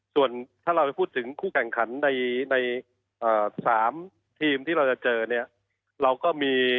ส่วนถ้าเราไปพูดถึงคู่แข่งขันใน๓ทีมที่เราจะเจอเนี่ยเราก็มี